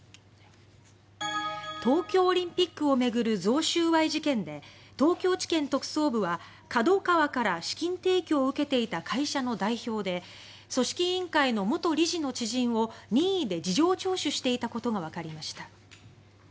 東京オリンピックを巡る贈収賄事件で東京地検特捜部はＫＡＤＯＫＡＷＡから資金提供を受けていた会社の代表で組織委員会の元理事の知人を任意で事情聴取していたことがわかりました。